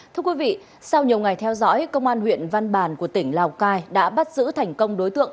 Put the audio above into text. thưa quý vị sau nhiều ngày theo dõi công an huyện văn bàn của tỉnh lào cai đã bắt giữ thành công đối tượng